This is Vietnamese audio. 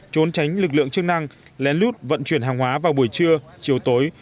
trốn tránh lực lượng chức năng lén lút vận chuyển hàng hóa vào buổi trưa chiều tối